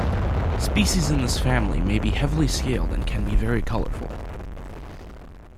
Species in this family may be heavily scaled and can be very colourful.